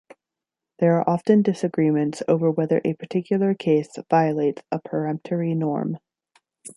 There are often disagreements over whether a particular case violates a peremptory norm.